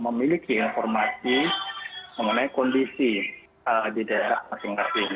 memiliki informasi mengenai kondisi di daerah masing masing